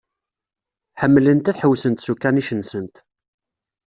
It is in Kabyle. Ḥemmlent ad ḥewsent s ukanic-nsent.